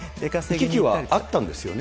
行き来はあったんですよね。